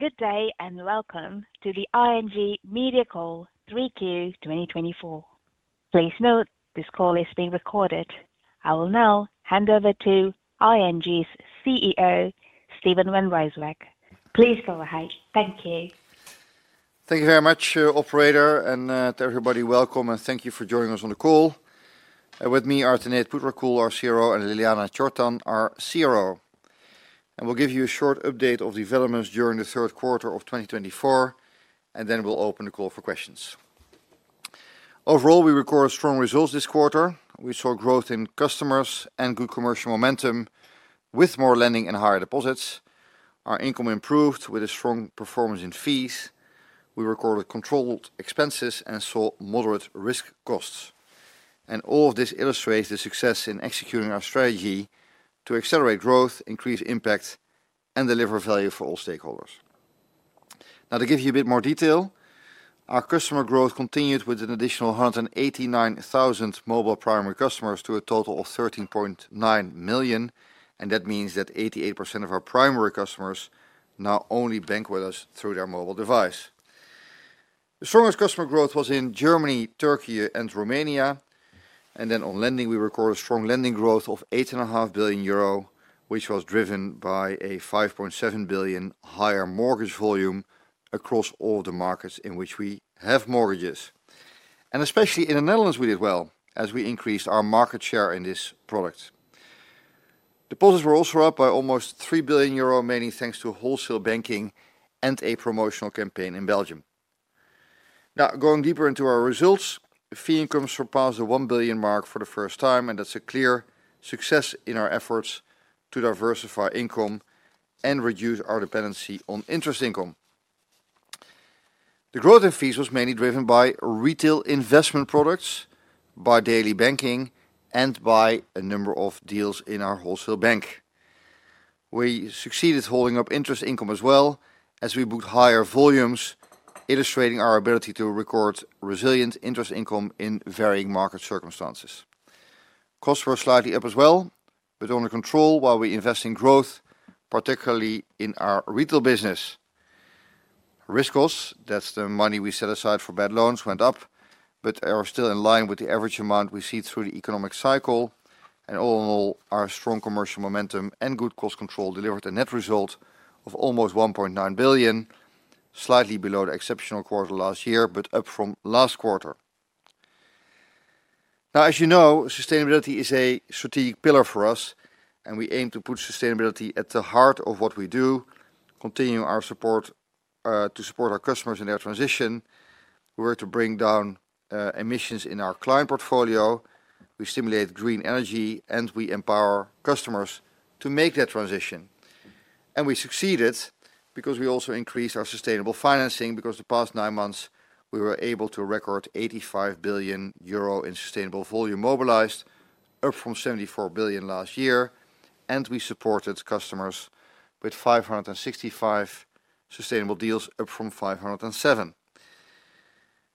Good day and welcome to the ING Media Call 3Q 2024. Please note this call is being recorded. I will now hand over to ING's CEO, Steven van Rijswijk. Please go ahead. Thank you. Thank you very much, Operator, and to everybody. Welcome, and thank you for joining us on the call. With me, Tanate Phutrakul, our CFO, and Ljiljana Čortan, our CRO, and we'll give you a short update of developments during the third quarter of 2024, and then we'll open the call for questions. Overall, we recorded strong results this quarter. We saw growth in customers and good commercial momentum with more lending and higher deposits. Our income improved with a strong performance in fees. We recorded controlled expenses and saw moderate risk costs, and all of this illustrates the success in executing our strategy to accelerate growth, increase impact, and deliver value for all stakeholders. Now, to give you a bit more detail, our customer growth continued with an additional 189,000 mobile primary customers to a total of 13.9 million. That means that 88% of our primary customers now only bank with us through their mobile device. The strongest customer growth was in Germany, Türkiye, and Romania. Then on lending, we recorded strong lending growth of 8.5 billion euro, which was driven by a 5.7 billion higher mortgage volume across all of the markets in which we have mortgages. Especially in the Netherlands, we did well as we increased our market share in this product. Deposits were also up by almost 3 billion euro, mainly thanks to wholesale banking and a promotional campaign in Belgium. Now, going deeper into our results, fee income surpassed the 1 billion mark for the first time, and that's a clear success in our efforts to diversify income and reduce our dependency on interest income. The growth in fees was mainly driven by retail investment products, by daily banking, and by a number of deals in our wholesale bank. We succeeded holding up interest income as well as we booked higher volumes, illustrating our ability to record resilient interest income in varying market circumstances. Costs were slightly up as well, but under control while we invest in growth, particularly in our retail business. Risk costs, that's the money we set aside for bad loans, went up, but are still in line with the average amount we see through the economic cycle. And all in all, our strong commercial momentum and good cost control delivered a net result of almost 1.9 billion, slightly below the exceptional quarter last year, but up from last quarter. Now, as you know, sustainability is a strategic pillar for us, and we aim to put sustainability at the heart of what we do, continuing our support to our customers in their transition. We work to bring down emissions in our client portfolio. We stimulate green energy, and we empower customers to make that transition. We succeeded because we also increased our sustainable financing, because the past nine months we were able to record 85 billion euro in sustainable volume mobilized, up from 74 billion last year. We supported customers with 565 sustainable deals, up from 507.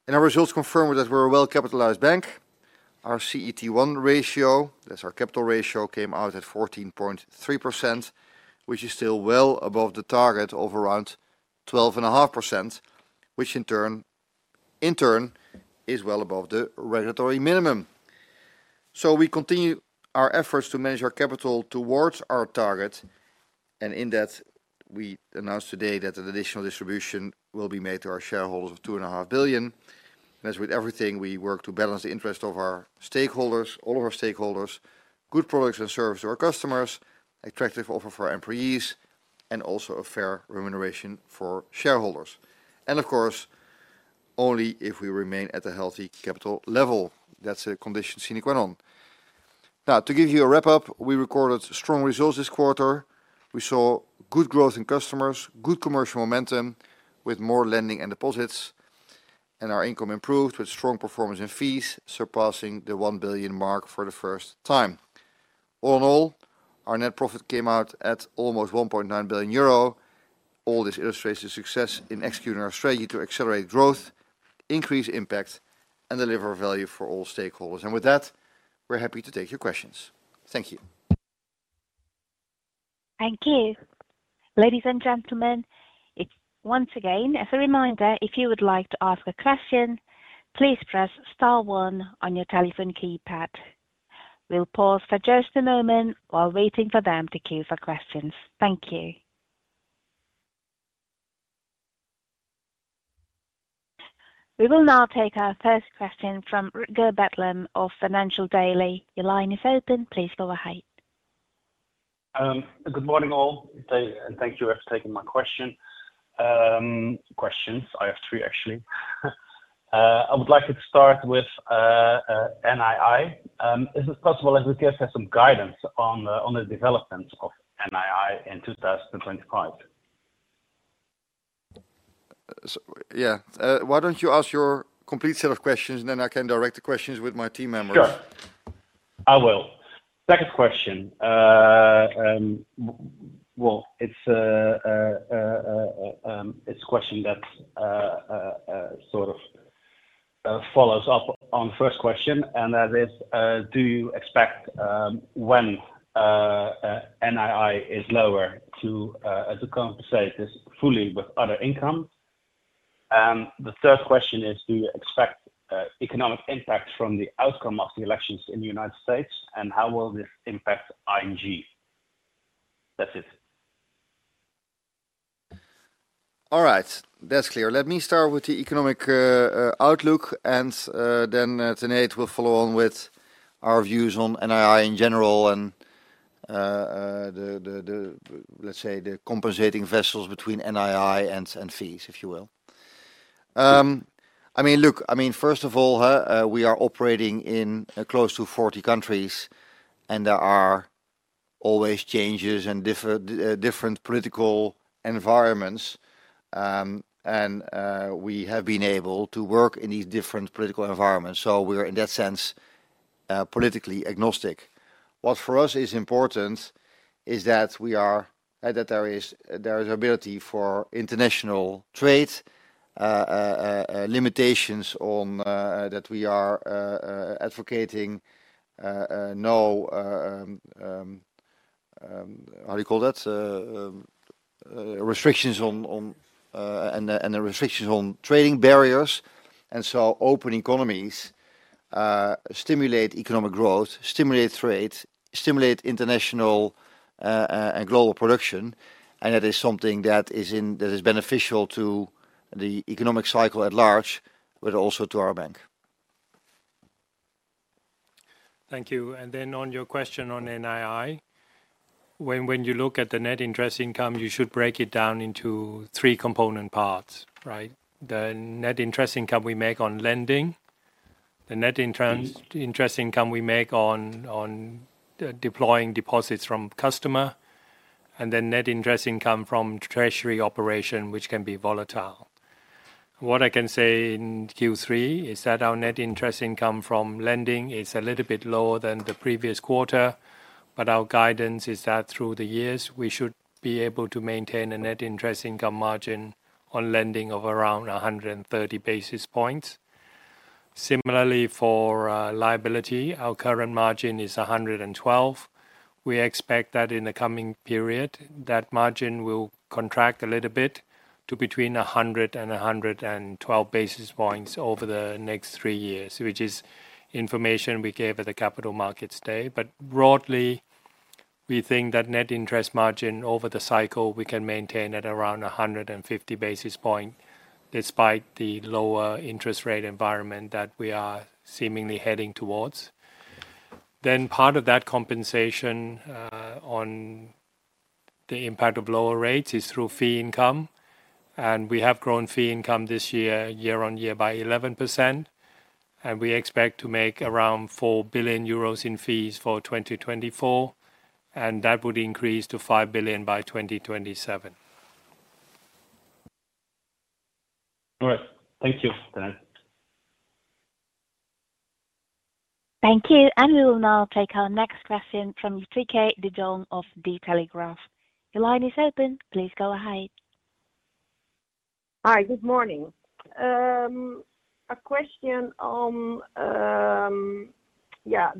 Our results confirm that we're a well-capitalized bank. Our CET1 ratio, that's our capital ratio, came out at 14.3%, which is still well above the target of around 12.5%, which in turn is well above the regulatory minimum. We continue our efforts to manage our capital towards our target. In that, we announced today that an additional distribution will be made to our shareholders of 2.5 billion. As with everything, we work to balance the interest of all of our stakeholders, good products and service to our customers, attractive offer for our employees, and also a fair remuneration for shareholders. Of course, only if we remain at a healthy capital level. That's the condition sine qua non. Now, to give you a wrap-up, we recorded strong results this quarter. We saw good growth in customers, good commercial momentum with more lending and deposits, and our income improved with strong performance in fees, surpassing the 1 billion mark for the first time. All in all, our net profit came out at almost 1.9 billion euro. All this illustrates the success in executing our strategy to accelerate growth, increase impact, and deliver value for all stakeholders. And with that, we're happy to take your questions. Thank you. Thank you. Ladies and gentlemen, once again, as a reminder, if you would like to ask a question, please press star one on your telephone keypad. We'll pause for just a moment while waiting for them to queue for questions. Thank you. We will now take our first question from Rutger Betlem of Het Financieele Dagblad. Your line is open. Please go ahead. Good morning all. Thank you for taking my question. Questions. I have three, actually. I would like to start with NII. Is it possible that we could get some guidance on the development of NII in 2025? Yeah. Why don't you ask your complete set of questions, and then I can direct the questions with my team members? Sure. I will. Second question. Well, it's a question that sort of follows up on the first question, and that is, do you expect when NII is lower to compensate this fully with other income? And the third question is, do you expect economic impact from the outcome of the elections in the United States, and how will this impact ING? That's it. All right. That's clear. Let me start with the economic outlook, and then Tanate will follow on with our views on NII in general and, let's say, the compensating vessels between NII and fees, if you will. I mean, look, I mean, first of all, we are operating in close to 40 countries, and there are always changes and different political environments, and we have been able to work in these different political environments, so we are, in that sense, politically agnostic. What for us is important is that there is ability for international trade, limitations on that we are advocating, how do you call that, restrictions on and the restrictions on trading barriers, and so open economies stimulate economic growth, stimulate trade, stimulate international and global production, and that is something that is beneficial to the economic cycle at large, but also to our bank. Thank you. And then on your question on NII, when you look at the net interest income, you should break it down into three component parts, right? The net interest income we make on lending, the net interest income we make on deploying deposits from customer, and then net interest income from treasury operation, which can be volatile. What I can say in Q3 is that our net interest income from lending is a little bit lower than the previous quarter, but our guidance is that through the years, we should be able to maintain a net interest income margin on lending of around 130 basis points. Similarly, for liability, our current margin is 112. We expect that in the coming period, that margin will contract a little bit to between 100 and 112 basis points over the next three years, which is information we gave at the Capital Markets Day, but broadly, we think that net interest margin over the cycle we can maintain at around 150 basis points despite the lower interest rate environment that we are seemingly heading towards. Then part of that compensation on the impact of lower rates is through fee income, and we have grown fee income this year on year by 11%. We expect to make around 4 billion euros in fees for 2024, and that would increase to 5 billion by 2027. All right. Thank you, Tanate. Thank you. And we will now take our next question from Rutger de Jong of De Telegraaf. Your line is open. Please go ahead. Hi, good morning. A question on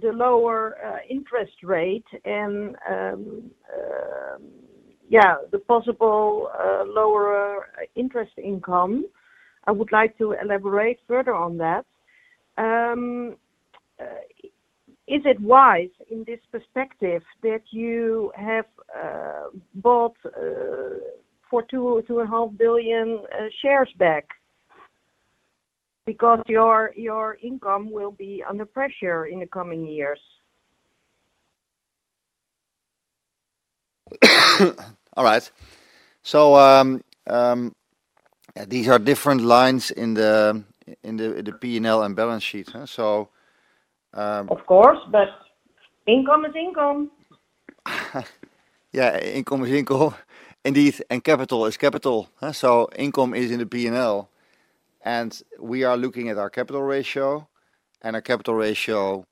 the lower interest rate and the possible lower interest income. I would like to elaborate further on that. Is it wise in this perspective that you have bought back shares for EUR 2.5 billion because your income will be under pressure in the coming years? All right, so these are different lines in the P&L and balance sheet, so. Of course, but income is income. Yeah, income is income, indeed, and capital is capital. So income is in the P&L. And we are looking at our capital ratio, and our capital ratio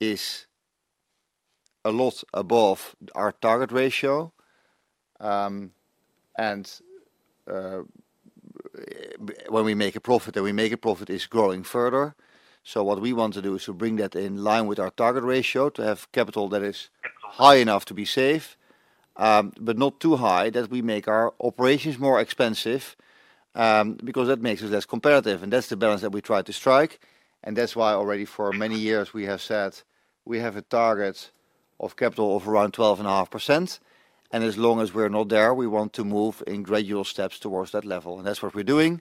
is a lot above our target ratio. And when we make a profit, then we make a profit is growing further. So what we want to do is to bring that in line with our target ratio to have capital that is high enough to be safe, but not too high that we make our operations more expensive because that makes us less competitive. And that's the balance that we try to strike. And that's why already for many years we have said we have a target of capital of around 12.5%. And as long as we're not there, we want to move in gradual steps towards that level. And that's what we're doing.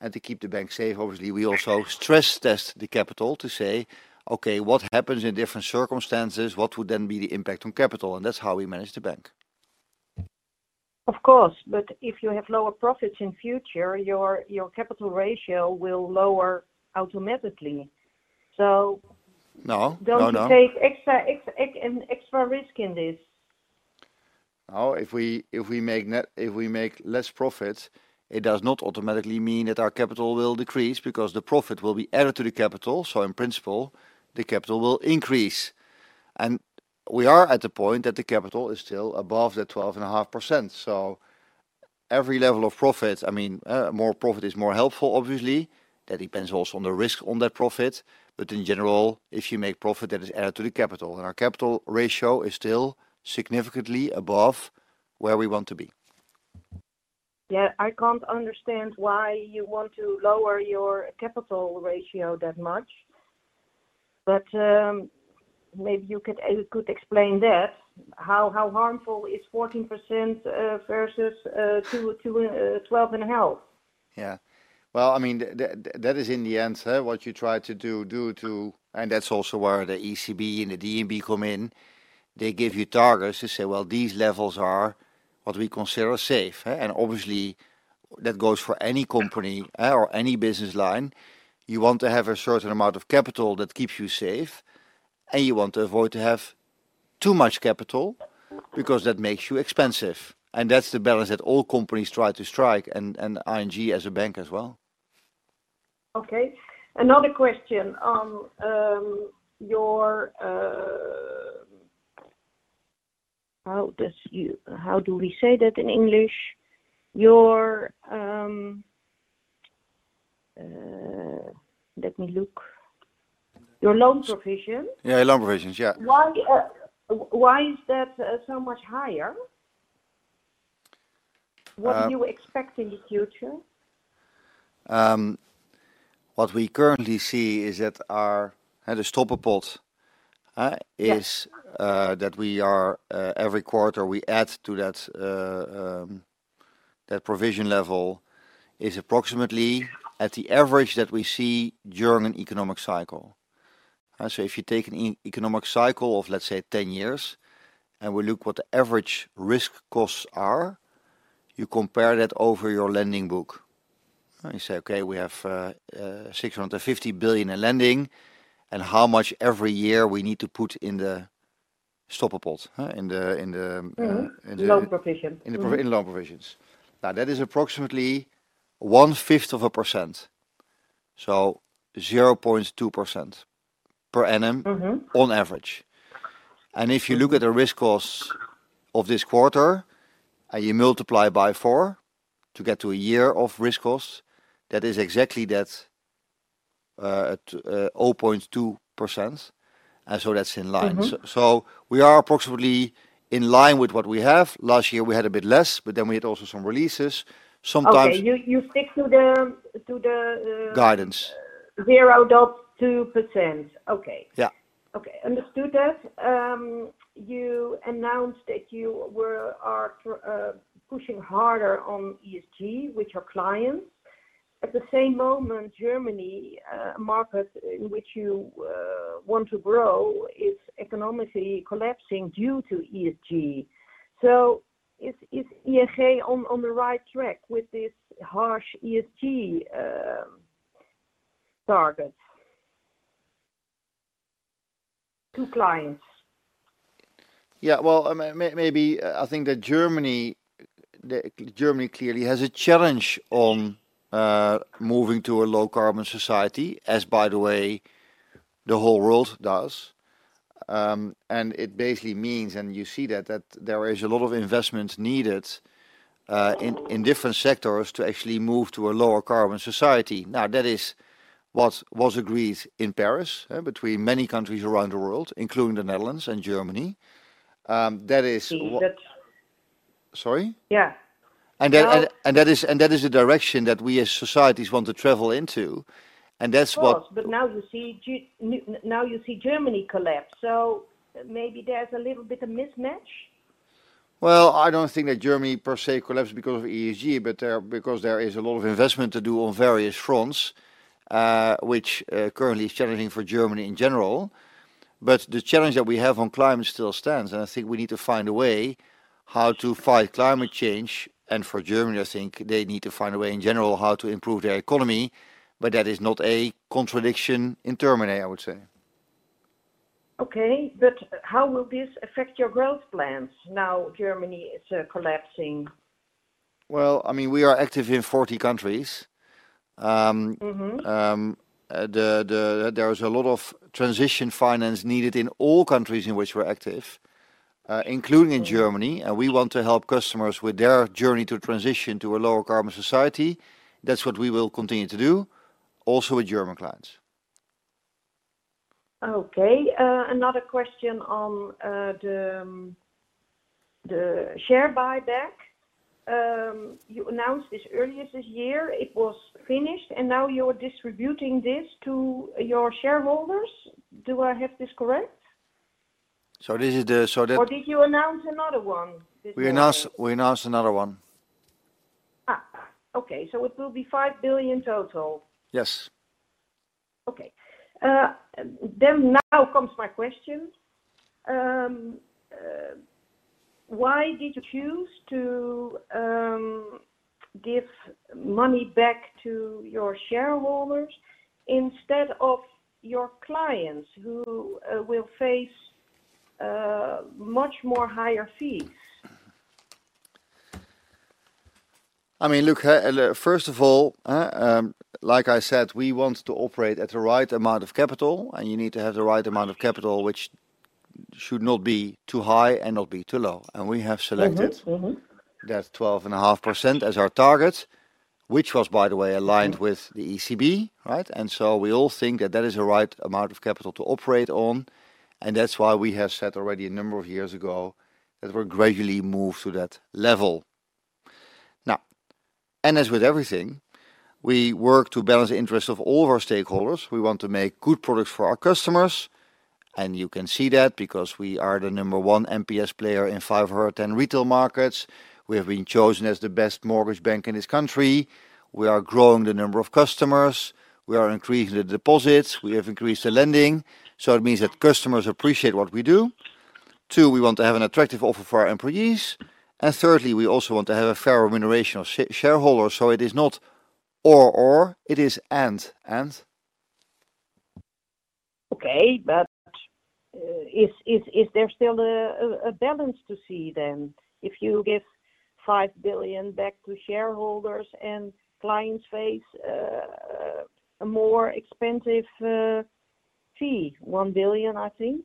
And to keep the bank safe, obviously, we also stress test the capital to say, okay, what happens in different circumstances? What would then be the impact on capital? And that's how we manage the bank. Of course, but if you have lower profits in future, your capital ratio will lower automatically. So. No. Don't take extra risk in this. No, if we make less profits, it does not automatically mean that our capital will decrease because the profit will be added to the capital. So in principle, the capital will increase. And we are at the point that the capital is still above that 12.5%. So every level of profit, I mean, more profit is more helpful, obviously. That depends also on the risk on that profit. But in general, if you make profit, that is added to the capital. And our capital ratio is still significantly above where we want to be. Yeah, I can't understand why you want to lower your capital ratio that much. But maybe you could explain that. How harmful is 14% versus 12.5%? Yeah, well, I mean, that is in the end what you try to do, and that's also where the ECB and the DNB come in. They give you targets to say, well, these levels are what we consider safe, and obviously, that goes for any company or any business line. You want to have a certain amount of capital that keeps you safe, and you want to avoid having too much capital because that makes you expensive, and that's the balance that all companies try to strike, and ING as a bank as well. Okay. Another question on your, how do we say that in English? Let me look. Your loan provision. Yeah, loan provisions, yeah. Why is that so much higher? What do you expect in the future? What we currently see is that the stroppenpot is that we are every quarter we add to that provision level is approximately at the average that we see during an economic cycle. So if you take an economic cycle of, let's say, 10 years, and we look at what the average risk costs are, you compare that over your lending book. You say, okay, we have 650 billion in lending, and how much every year we need to put in the stroppenpot in the. Loan provision. In the loan provisions. Now, that is approximately one-fifth of a percent, so 0.2% per annum on average. And if you look at the risk costs of this quarter and you multiply by four to get to a year of risk costs, that is exactly that 0.2%. And so that's in line. So we are approximately in line with what we have. Last year, we had a bit less, but then we had also some releases. Sometimes. Okay. You stick to the. Guidance. 0.2%. Okay. Yeah. Okay. Understood that. You announced that you are pushing harder on ESG with clients. At the same moment, Germany, a market in which you want to grow, is economically collapsing due to ESG. So is ING on the right track with this harsh ESG target to clients? Yeah, well, maybe I think that Germany clearly has a challenge on moving to a low-carbon society, as by the way, the whole world does. And it basically means, and you see that, that there is a lot of investment needed in different sectors to actually move to a lower-carbon society. Now, that is what was agreed in Paris between many countries around the world, including the Netherlands and Germany. That is. Is that. Sorry? Yeah. And that is the direction that we as societies want to travel into. And that's what. Of course. But now you see Germany collapse. So maybe there's a little bit of mismatch? I don't think that Germany per se collapsed because of ESG, but because there is a lot of investment to do on various fronts, which currently is challenging for Germany in general. But the challenge that we have on climate still stands. And I think we need to find a way how to fight climate change. And for Germany, I think they need to find a way in general how to improve their economy. But that is not a contradiction in terms, I would say. Okay. But how will this affect your growth plans now Germany is collapsing? Well, I mean, we are active in 40 countries. There is a lot of transition finance needed in all countries in which we're active, including in Germany. And we want to help customers with their journey to transition to a lower-carbon society. That's what we will continue to do, also with German clients. Okay. Another question on the share buyback. You announced this earlier this year. It was finished, and now you're distributing this to your shareholders. Do I have this correct? This is the. Or did you announce another one? We announced another one. Okay. So it will be 5 billion total. Yes. Okay, then now comes my question. Why did you choose to give money back to your shareholders instead of your clients who will face much more higher fees? I mean, look, first of all, like I said, we want to operate at the right amount of capital, and you need to have the right amount of capital, which should not be too high and not be too low. And we have selected that 12.5% as our target, which was, by the way, aligned with the ECB, right? And so we all think that that is a right amount of capital to operate on. And that's why we have said already a number of years ago that we're gradually moving to that level. Now, and as with everything, we work to balance the interests of all of our stakeholders. We want to make good products for our customers. And you can see that because we are the number one NPS player in 510 retail markets. We have been chosen as the best mortgage bank in this country. We are growing the number of customers. We are increasing the deposits. We have increased the lending. So it means that customers appreciate what we do. Two, we want to have an attractive offer for our employees. And thirdly, we also want to have a fair remuneration of shareholders. So it is not or, or. It is and, and. Okay. But is there still a balance to see then? If you give 5 billion back to shareholders and clients face a more expensive fee, 1 billion, I think?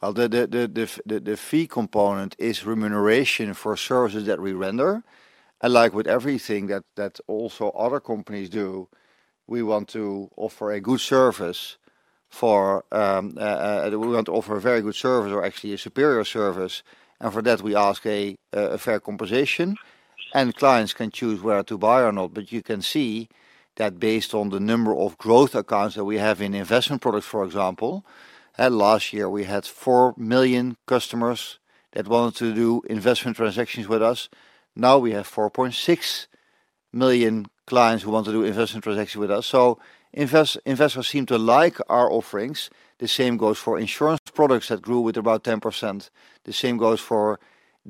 The fee component is remuneration for services that we render. Like with everything that also other companies do, we want to offer a very good service or actually a superior service. For that, we ask a fair compensation. Clients can choose whether to buy or not. You can see that based on the number of growth accounts that we have in investment products, for example, last year we had 4 million customers that wanted to do investment transactions with us. Now we have 4.6 million clients who want to do investment transactions with us. Investors seem to like our offerings. The same goes for insurance products that grew with about 10%. The same goes for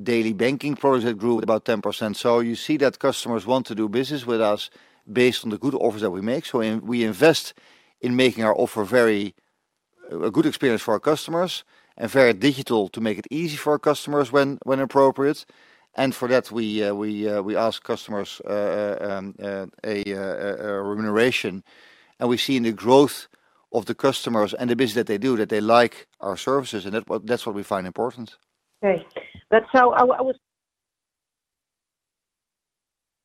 daily banking products that grew with about 10%. So you see that customers want to do business with us based on the good offers that we make. So we invest in making our offer a very good experience for our customers and very digital to make it easy for our customers when appropriate. And for that, we ask customers a remuneration. And we see in the growth of the customers and the business that they do that they like our services. And that's what we find important. Okay, but so,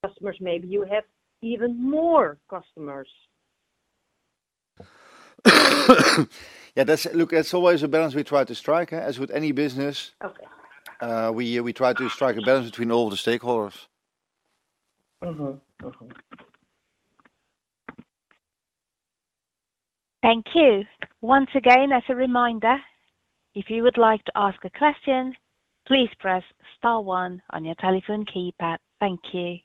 customers. Maybe you have even more customers. Yeah. Look, that's always a balance we try to strike. As with any business, we try to strike a balance between all the stakeholders. Thank you. Once again, as a reminder, if you would like to ask a question, please press star one on your telephone keypad. Thank you.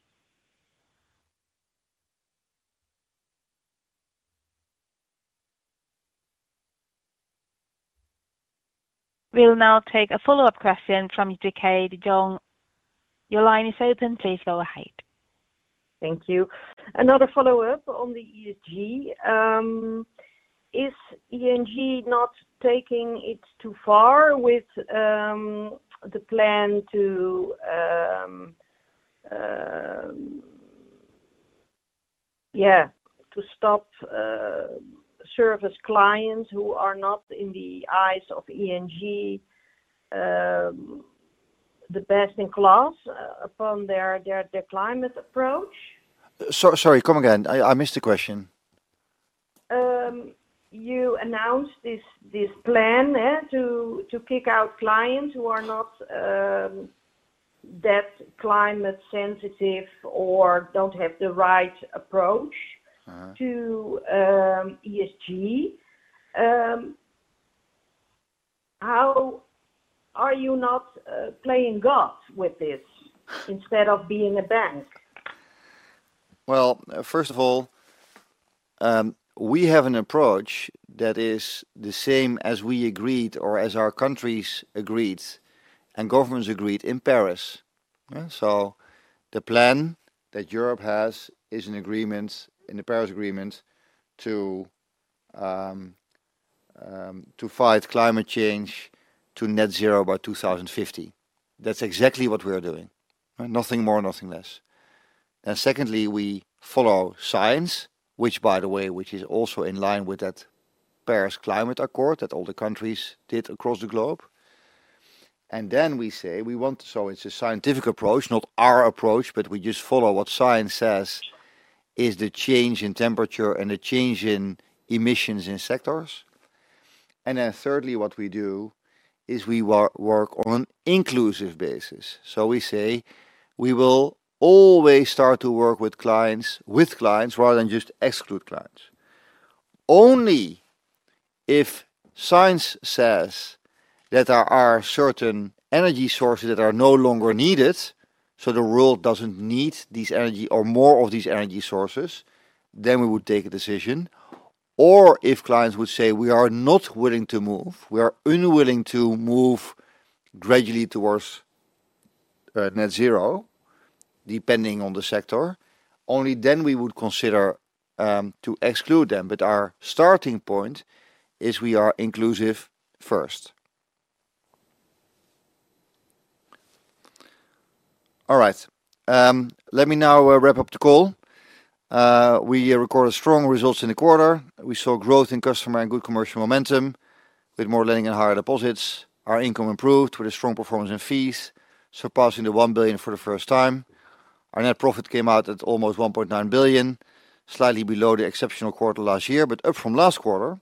We'll now take a follow-up question from Rutger de Jong. Your line is open. Please go ahead. Thank you. Another follow-up on the ESG. Is ING not taking it too far with the plan to, yeah, to stop servicing clients who are not in the eyes of ING the best in class on their climate approach? Sorry, come again. I missed the question. You announced this plan to kick out clients who are not that climate-sensitive or don't have the right approach to ESG. How are you not playing God with this instead of being a bank? First of all, we have an approach that is the same as we agreed or as our countries agreed and governments agreed in Paris. So the plan that Europe has is an agreement in the Paris Agreement to fight climate change to Net Zero by 2050. That's exactly what we are doing. Nothing more, nothing less. And secondly, we follow science, which, by the way, is also in line with that Paris Agreement that all the countries did across the globe. And then we say we want to, so it's a scientific approach, not our approach, but we just follow what science says is the change in temperature and the change in emissions in sectors. And then thirdly, what we do is we work on an inclusive basis. So we say we will always start to work with clients rather than just exclude clients. Only if science says that there are certain energy sources that are no longer needed, so the world doesn't need these energy or more of these energy sources, then we would take a decision. Or if clients would say we are not willing to move, we are unwilling to move gradually towards net zero, depending on the sector, only then we would consider excluding them. But our starting point is we are inclusive first. All right. Let me now wrap up the call. We recorded strong results in the quarter. We saw growth in customer and good commercial momentum with more lending and higher deposits. Our income improved with a strong performance in fees, surpassing 1 billion for the first time. Our net profit came out at almost 1.9 billion, slightly below the exceptional quarter last year, but up from last quarter.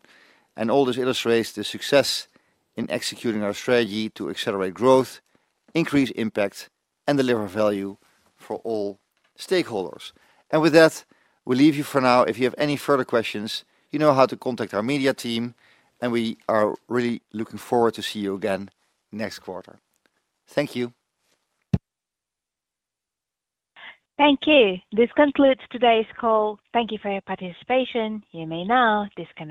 All this illustrates the success in executing our strategy to accelerate growth, increase impact, and deliver value for all stakeholders. With that, we'll leave you for now. If you have any further questions, you know how to contact our media team. We are really looking forward to seeing you again next quarter. Thank you. Thank you. This concludes today's call. Thank you for your participation. You may now disconnect.